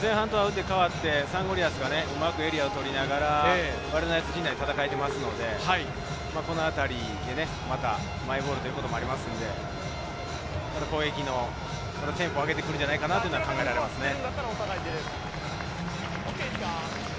前半と打って変わってサンゴリアスがうまくエリアを取りながら陣内で戦えていますので、このあたりでまたマイボールということもありますので、攻撃のテンポを上げてくるんじゃないかと考えられますね。